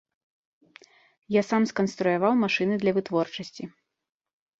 Я сам сканструяваў машыны для вытворчасці.